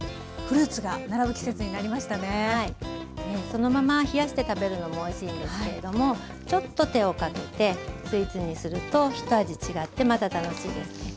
そのまま冷やして食べるのもおいしいんですけれどもちょっと手をかけてスイーツにすると一味違ってまた楽しいですね。